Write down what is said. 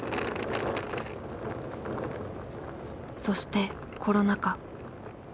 そしてコロナ禍。